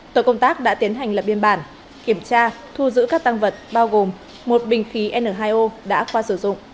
tổ công tác đã tiến hành lập biên bản kiểm tra thu giữ các tăng vật bao gồm một bình khí n hai o đã qua sử dụng